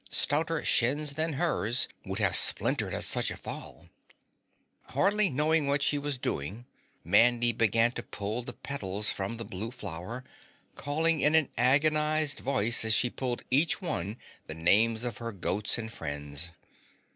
Stouter shins than hers would have splintered at such a fall. Hardly knowing what she was doing, Mandy began to pull the petals from the blue flower, calling in an agonized voice as she pulled each one the names of her goats and friends.